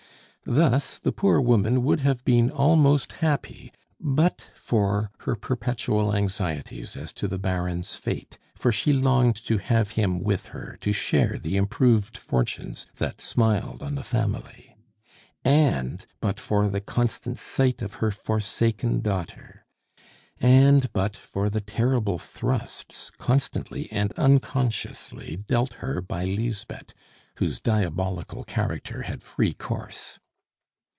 Thus, the poor woman would have been almost happy but for her perpetual anxieties as to the Baron's fate; for she longed to have him with her to share the improved fortunes that smiled on the family; and but for the constant sight of her forsaken daughter; and but for the terrible thrusts constantly and unconsciously dealt her by Lisbeth, whose diabolical character had free course.